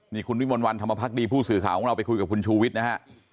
นี่คุณวิมลวันธรรมพักดีผู้สื่อข่าวของเราไปคุยกับคุณชูวิทย์นะฮะ